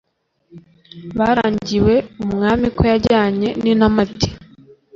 Barangiwe Umwami Ko yajyanye n' Intamati